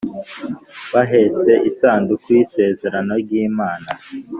bahetse isanduku y’isezerano ry’Imana.